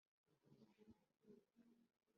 elle doit dans un d lai de deux mois